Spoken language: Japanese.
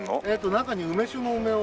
中に梅酒の梅を。